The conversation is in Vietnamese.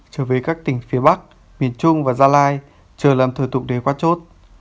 trở về các tỉnh phía bắc miền trung và gia lai chờ làm thời tục để quát chốt